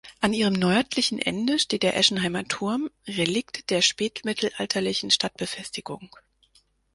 An ihrem nördlichen Ende steht der Eschenheimer Turm, Relikt der spätmittelalterlichen Stadtbefestigung.